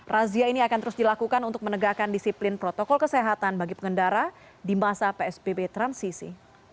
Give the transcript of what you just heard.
razia ini akan terus dilakukan untuk menegakkan disiplin protokol kesehatan bagi pengendara di masa psbb transisi